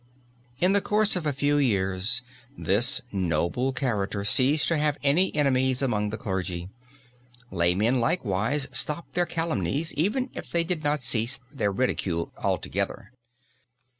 In the course of a few years this noble character ceased to have any enemies among the clergy. Laymen likewise stopped their calumnies, even if they did not cease their ridicule altogether.